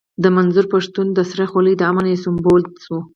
د منظور پښتين د سر خولۍ د امن سيمبول شوه.